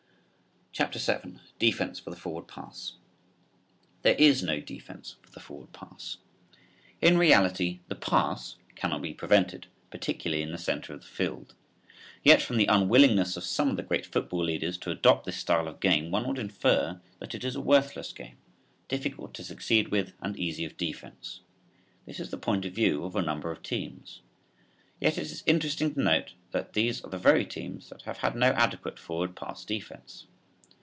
CHAPTER VII. DEFENSE FOR THE FORWARD PASS. There is no defense for the forward pass. In reality the pass cannot be prevented, particularly in the center of the field. Yet from the unwillingness of some of the great football leaders to adopt this style of game one would infer that it is a worthless game, difficult to succeed with and easy of defense. This is the point of view of a number of teams. Yet it is interesting to note that these are the very teams that have had no adequate forward pass defense.